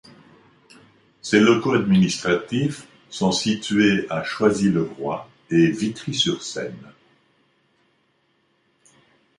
Ses locaux administratifs sont situés à Choisy-le-Roi et Vitry-sur-Seine.